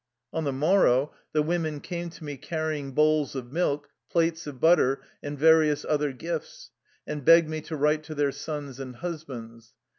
On the morrow the women came to me carry ing bowls of milk, plates of butter, and various other gifts, and begged me to write to their sons and husbands.